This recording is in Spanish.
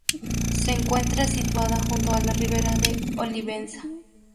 Se encuentra situada junto a la Ribera de Olivenza.